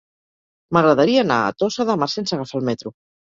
M'agradaria anar a Tossa de Mar sense agafar el metro.